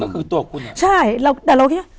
ก็คือตัวคุณใช่เราแต่เราคิดว่า